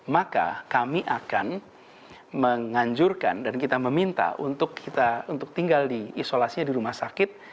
maka kami akan menganjurkan dan kita meminta untuk tinggal di isolasi di rumah sakit